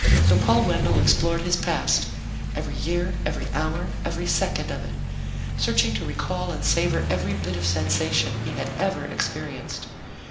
So Paul Wendell explored his past, every year, every hour, every second of it, searching to recall and savor every bit of sensation he had ever experienced.